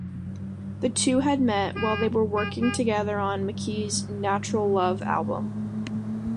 The two had met while they were working together on McKee's "Natural Love" album.